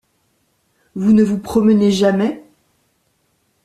Vous ne vous promenez jamais?